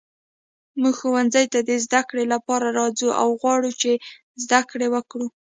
موږ ښوونځي ته د زده کړې لپاره راځو او غواړو چې زده کړې وکړو.